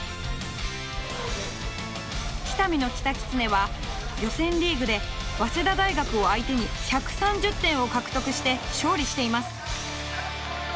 北見のキタキツネは予選リーグで早稲田大学を相手に１３０点を獲得して勝利しています。